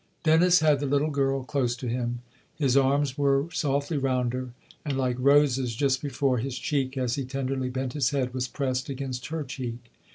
Dennis had the little girl close to him ; his arms were softly round her and, like Rose's just before, his cheek, as he tenderly bent his head, was pressed against her cheek.